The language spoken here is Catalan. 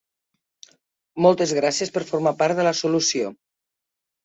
Moltes Gràcies per formar part de la solució!